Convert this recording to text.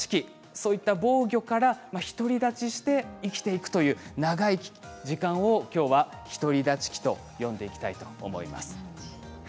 そういった防御からひとりだちして生きていくという長い時間を今日はひとりだち期と呼んでいきたいと思います。